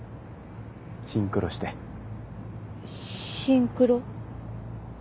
シンクロしてシンクロ？